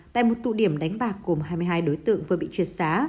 tại một tụ điểm đánh bạc cùng hai mươi hai đối tượng vừa bị truyệt xá